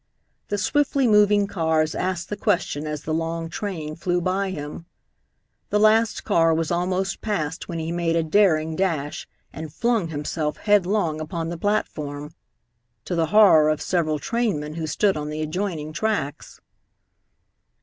The swiftly moving cars asked the question as the long train flew by him. The last car was almost past when he made a daring dash and flung himself headlong upon the platform, to the horror of several trainmen who stood on the adjoining tracks.